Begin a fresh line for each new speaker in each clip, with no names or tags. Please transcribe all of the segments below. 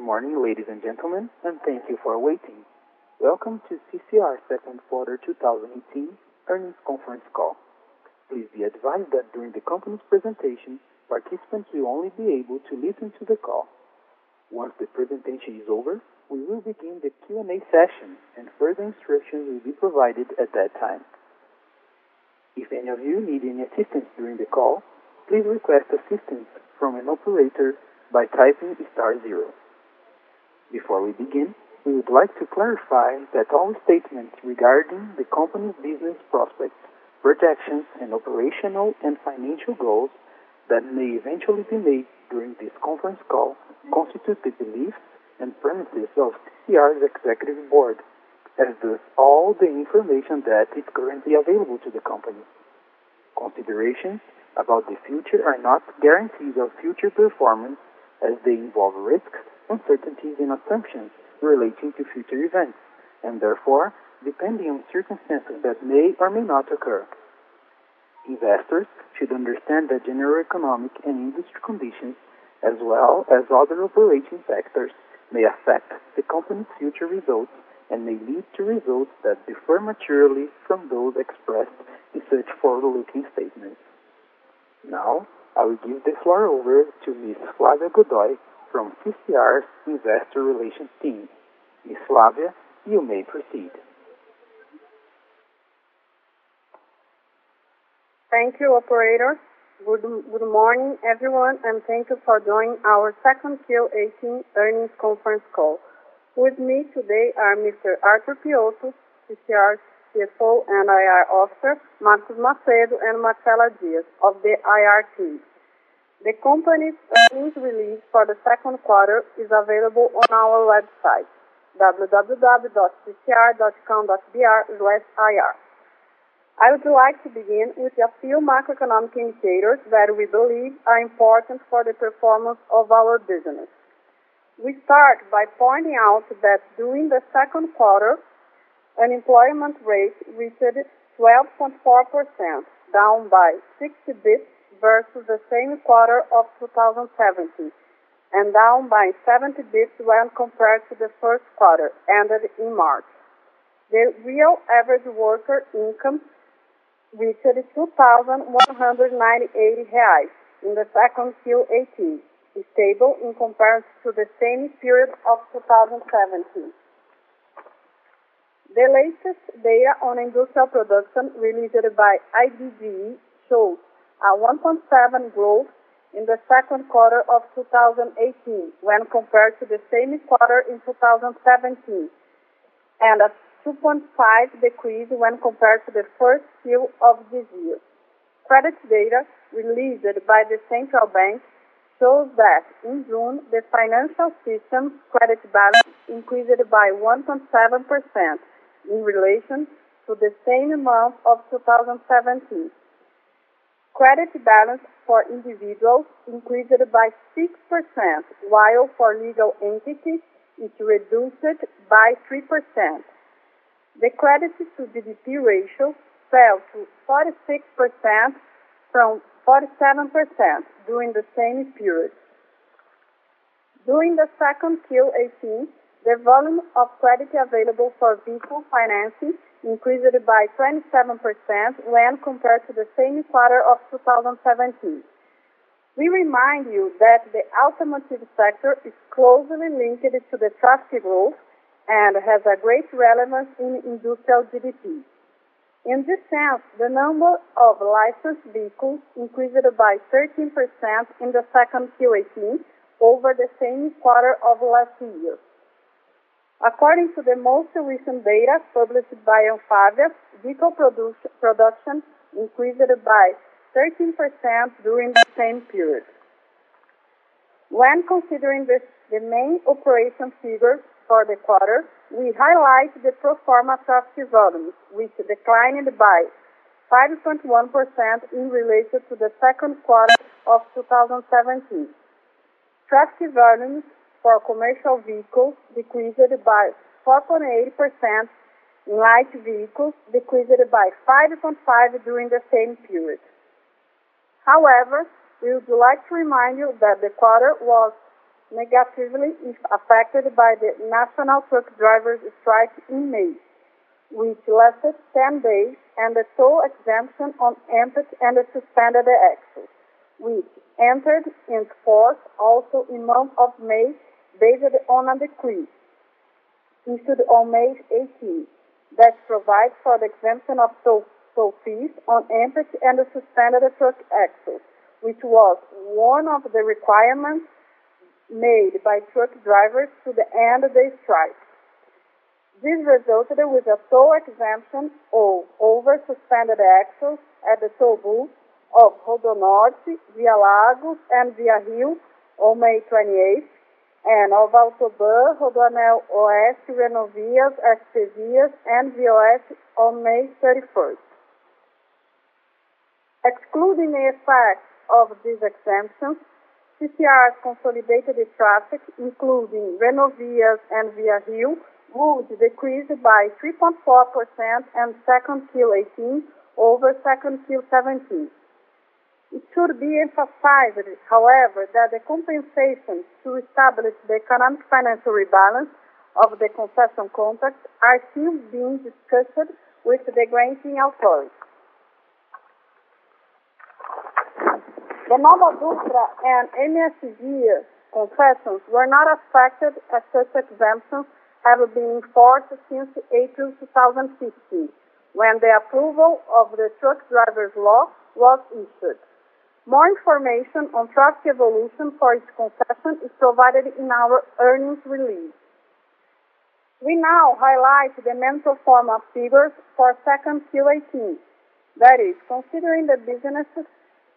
Good morning, ladies and gentlemen, and thank you for waiting. Welcome to CCR's second quarter 2018 earnings conference call. Please be advised that during the company's presentation, participants will only be able to listen to the call. Once the presentation is over, we will begin the Q&A session, and further instructions will be provided at that time. If any of you need any assistance during the call, please request assistance from an operator by typing star zero. Before we begin, we would like to clarify that all statements regarding the company's business prospects, projections, and operational and financial goals that may eventually be made during this conference call constitute the beliefs and premises of CCR's executive board, as does all the information that is currently available to the company. Considerations about the future are not guarantees of future performance, as they involve risks, uncertainties and assumptions relating to future events, and therefore, depending on circumstances that may or may not occur. Investors should understand that general economic and industry conditions, as well as other operating factors, may affect the company's future results and may lead to results that differ materially from those expressed in such forward-looking statements. Now, I will give the floor over to Ms. Flávia Godoy from CCR's investor relations team. Ms. Flávia, you may proceed.
Thank you, operator. Good morning, everyone, and thank you for joining our second Q18 earnings conference call. With me today are Mr. Arthur Piotto, CCR's CFO and IR officer, Marcus Macedo, and Marcela Dias of the IR team. The company's earnings release for the second quarter is available on our website, www.ccr.com.br/ir. I would like to begin with a few macroeconomic indicators that we believe are important for the performance of our business. We start by pointing out that during the second quarter, unemployment rate reached 12.4%, down by 60 basis points versus the same quarter of 2017, and down by 70 basis points when compared to the first quarter ended in March. The real average worker income reached BRL 2,198 in the second Q18, stable in comparison to the same period of 2017. The latest data on industrial production released by IBGE shows a 1.7% growth in the second quarter of 2018 when compared to the same quarter in 2017, and a 2.5% decrease when compared to the first Q of this year. Credit data released by the Central Bank shows that in June, the financial system credit balance increased by 1.7% in relation to the same month of 2017. Credit balance for individuals increased by 6%, while for legal entities, it reduced by 3%. The credit-to-GDP ratio fell to 46% from 47% during the same period. During the second Q18, the volume of credit available for vehicle financing increased by 27% when compared to the same quarter of 2017. We remind you that the automotive sector is closely linked to the traffic growth and has a great relevance in industrial GDP. In this sense, the number of licensed vehicles increased by 13% in the 2Q18 over the same quarter of last year. According to the most recent data published by ANFAVEA, vehicle production increased by 13% during the same period. When considering the main operation figures for the quarter, we highlight the pro forma traffic volumes, which declined by 5.1% in relation to the 2Q 2017. Traffic volumes for commercial vehicles decreased by 4.8%, light vehicles decreased by 5.5% during the same period. We would like to remind you that the quarter was negatively affected by the national truck drivers strike in May, which lasted 10 days, and the toll exemption on empty and suspended axles, which entered into force also in the month of May, based on a decree issued on May 18 that provides for the exemption of toll fees on empty and suspended truck axles, which was one of the requirements made by truck drivers to end their strike. This resulted with a toll exemption of over suspended axles at the toll booths of RodoNorte, ViaLagos and ViaRio on May 28th, and of AutoBAn, RodoAnel Oeste, Renovias, SPVias, and ViaOeste on May 31st. Excluding the effect of this exemption, CCR's consolidated traffic, including Renovias and ViaRio, would decrease by 3.4% in 2Q18 over 2Q17. It should be emphasized that the compensations to establish the economic financial rebalance of the concession contracts are still being discussed with the granting authority. The NovaDutra and MSVia concessions were not affected, as such exemptions have been in force since April 2016, when the approval of the truck drivers' law was issued. More information on truck evolution for each concession is provided in our earnings release. We now highlight the pro forma figures for 2Q18. That is, considering the businesses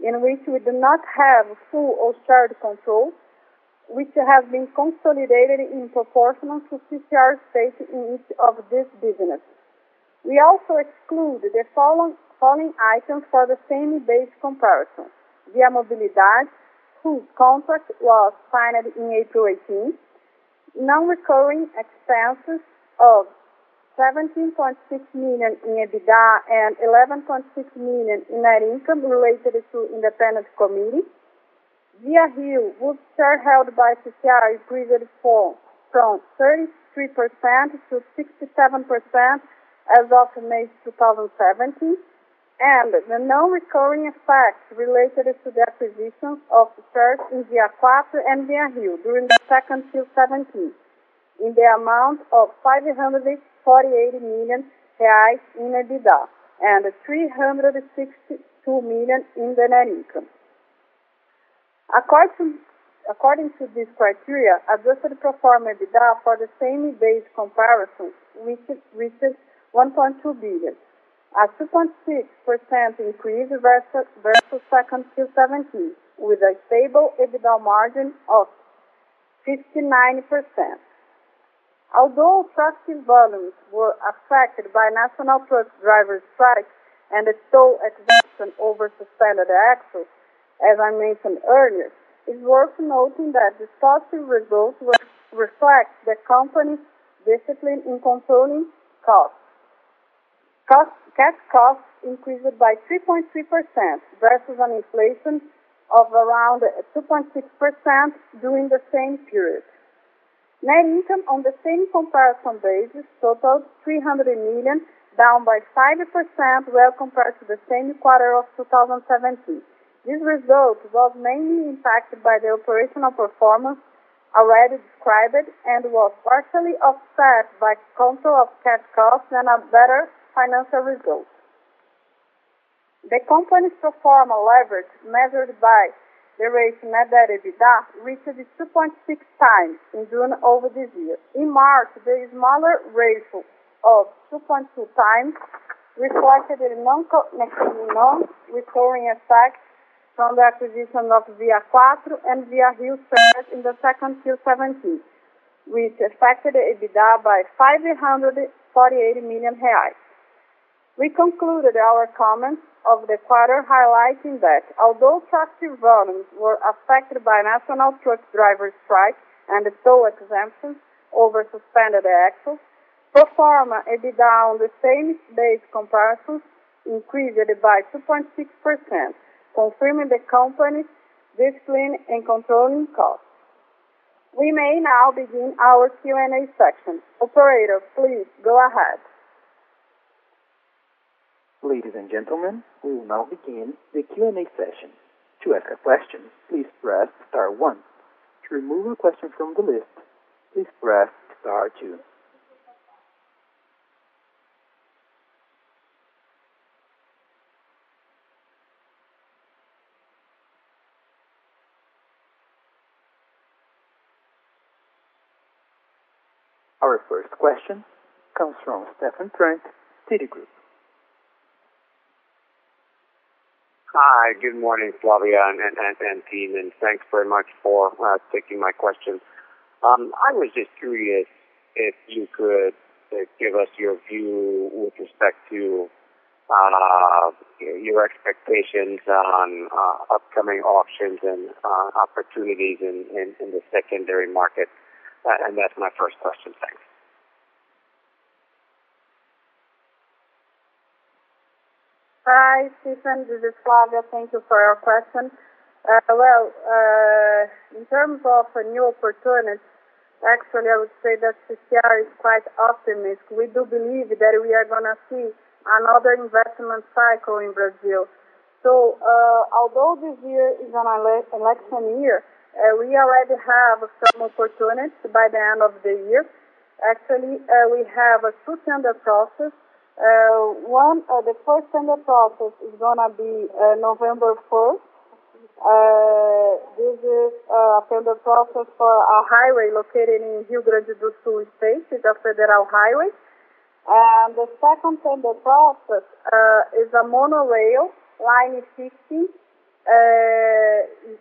in which we do not have full or shared control, which have been consolidated in proportion to CCR's stake in each of these businesses. We also exclude the following items for the same base comparison. ViaMobilidade, whose contract was signed in April 2018, non-recurring expenses of 17.6 million in EBITDA and 11.6 million in net income related to independent committee. ViaRio, whose share held by CCR increased from 33% to 67% as of May 2017, and the non-recurring effects related to the acquisition of shares in ViaQuatro and ViaRio during the 2Q17 in the amount of 548 million reais in EBITDA and 362 million in the net income. According to this criteria, adjusted pro forma EBITDA for the same base comparison reached 1.2 billion, a 2.6% increase versus 2Q17, with a stable EBITDA margin of 59%. Truck volumes were affected by national truck drivers' strikes and the toll exemption over suspended axles, as I mentioned earlier, it's worth noting that this positive results reflect the company's discipline in controlling costs. Cash costs increased by 3.3% versus an inflation of around 2.6% during the same period. Net income on the same comparison basis totaled 300 million, down by 5% well compared to the same quarter of 2017. This result was mainly impacted by the operational performance already described and was partially offset by control of cash costs and a better financial result. The company's pro forma leverage, measured by the ratio net debt to EBITDA, reached 2.6 times in June over this year. In March, the smaller ratio of 2.2 times reflected non-recurring effects from the acquisition of ViaQuatro and ViaRio's shares in the second Q 2017, which affected EBITDA by 548 million reais. We conclude our comments of the quarter highlighting that although truck volumes were affected by national truck drivers' strikes and the toll exemptions over suspended axles, pro forma EBITDA on the same base comparison increased by 2.6%, confirming the company's discipline in controlling costs. We may now begin our Q&A section. Operator, please go ahead.
Ladies and gentlemen, we will now begin the Q&A session. To ask a question, please press star one. To remove your question from the list, please press star two. Our first question comes from Stephen Trent, Citigroup.
Hi, good morning, Flávia and team, thanks very much for taking my question. I was just curious if you could give us your view with respect to your expectations on upcoming auctions and opportunities in the secondary market. That's my first question. Thanks.
Hi, Stephen. This is Flávia. Thank you for your question. In terms of new opportunities, I would say that CCR is quite optimistic. We do believe that we are going to see another investment cycle in Brazil. Although this year is an election year, we already have some opportunities by the end of the year. We have two tender processes. The first tender process is going to be November 1st. This is a tender process for a highway located in Rio Grande do Sul state. It's a federal highway. The second tender process is a monorail, Line 15.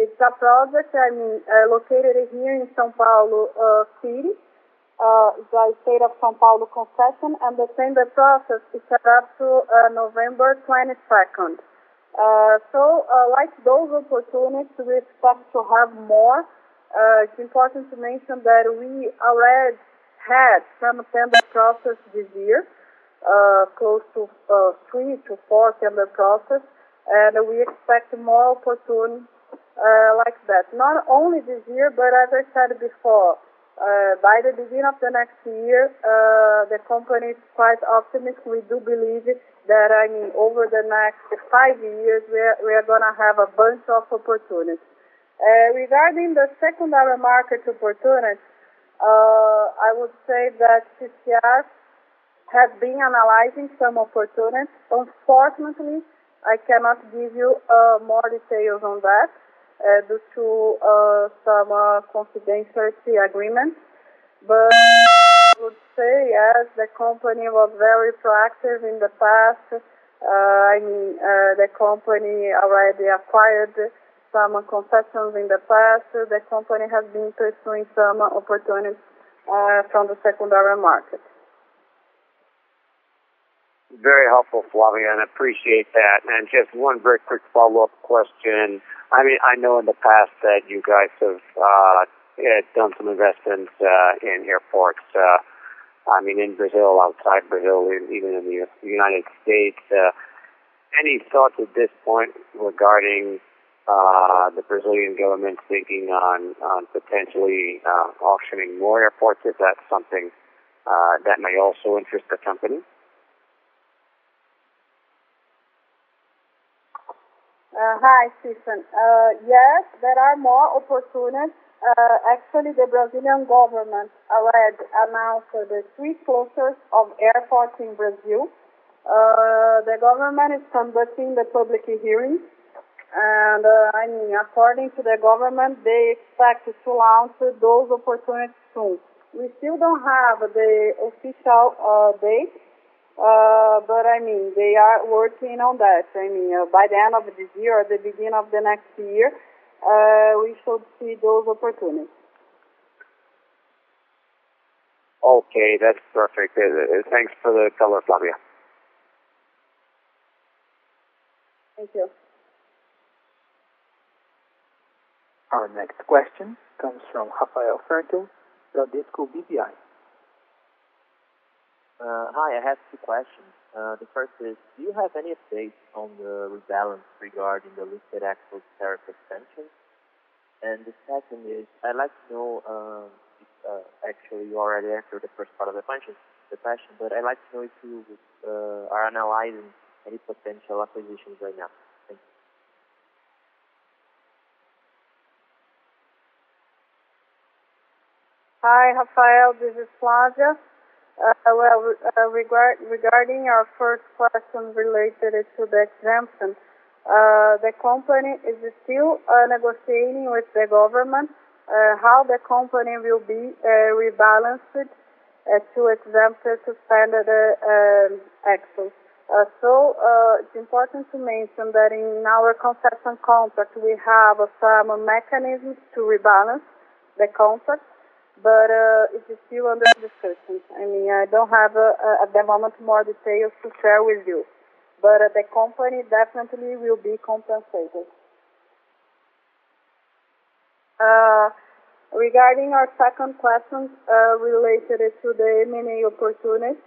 It's a project located here in São Paulo City by State of São Paulo concession, and the tender process is set up to November 22nd. Like those opportunities, we expect to have more. It's important to mention that we already had some tender processes this year. Close to 3 to 4 tender processes, and we expect more opportunities like that. Not only this year, but as I said before, by the beginning of the next year, the company is quite optimistic. We do believe that over the next 5 years, we are going to have a bunch of opportunities. Regarding the secondary market opportunities, I would say that CCR has been analyzing some opportunities. Unfortunately, I cannot give you more details on that due to some confidentiality agreements. I would say, yes, the company was very proactive in the past. The company already acquired some concessions in the past. The company has been pursuing some opportunities from the secondary market.
Very helpful, Flávia, and appreciate that. Just 1 very quick follow-up question. I know in the past that you guys have done some investments in airports. In Brazil, outside Brazil, even in the U.S. Any thoughts at this point regarding the Brazilian government thinking on potentially auctioning more airports? Is that something that may also interest the company?
Hi, Stephen. Yes, there are more opportunities. The Brazilian government already announced the 3 closures of airports in Brazil. The government is conducting the public hearings, and according to the government, they expect to announce those opportunities soon. We still don't have the official date, they are working on that. By the end of this year or the beginning of the next year, we should see those opportunities.
Okay, that's perfect. Thanks for the color, Flávia.
Thank you.
Our next question comes from Rafael Fett, Bradesco BBI.
Hi, I have two questions. The first is, do you have any update on the rebalance regarding the lifted axle tariff extension? The second is, I'd like to know Actually, you already answered the first part of the question, but I'd like to know if you are analyzing any potential acquisitions right now. Thank you.
Hi, Rafael. This is Flávia. Well, regarding your first question related to the exemption, the company is still negotiating with the government how the company will be rebalanced to exempt the suspended axles. It's important to mention that in our concession contract, we have some mechanisms to rebalance the contract, but it is still under discussion. I don't have at the moment more details to share with you. The company definitely will be compensated. Regarding your second question related to the M&A opportunities,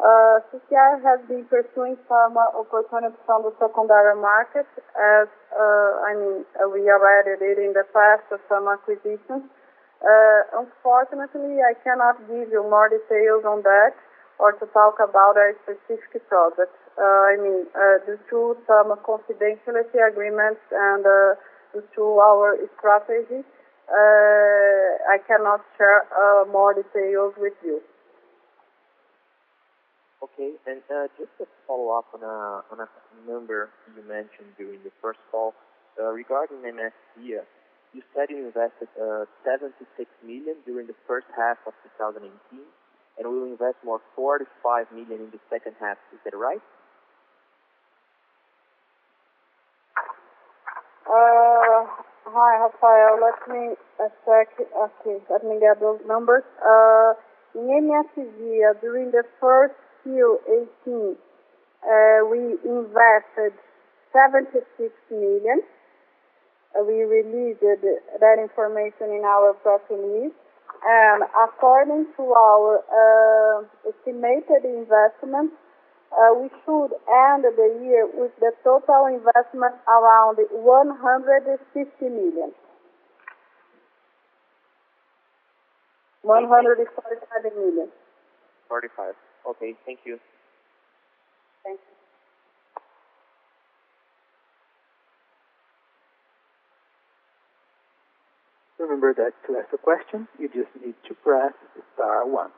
CCR has been pursuing some opportunities from the secondary market as we already did in the past with some acquisitions. Unfortunately, I cannot give you more details on that or talk about a specific product. Due to some confidentiality agreements and due to our strategy, I cannot share more details with you.
Okay. Just to follow up on a number you mentioned during the first call. Regarding MSVia, you said you invested 76 million during the first half of 2018 and will invest more 45 million in the second half. Is that right?
Hi, Rafael. Let me check. Okay, let me get those numbers. In MSVia, during the first Q 2018, we invested 76 million. We released that information in our press release. According to our estimated investment, we should end the year with the total investment around 150 million. 145 million.
45. Okay, thank you.
Thank you.
Remember that to ask a question, you just need to press star one.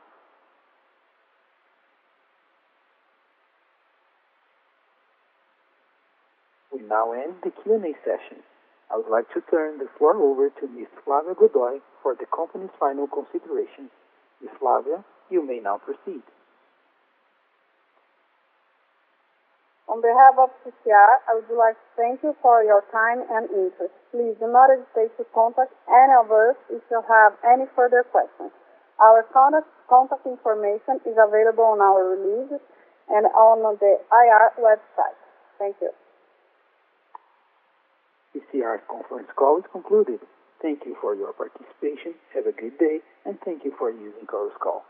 We now end the Q&A session. I would like to turn the floor over to Ms. Flávia Godoy for the company's final considerations. Ms. Flavia, you may now proceed.
On behalf of CCR, I would like to thank you for your time and interest. Please do not hesitate to contact any of us if you have any further questions. Our contact information is available on our release and on the IR website. Thank you.
CCR's conference call is concluded. Thank you for your participation. Have a good day, and thank you for using Chorus Call.